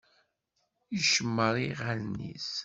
Icemmeṛ i yiɣallen-is.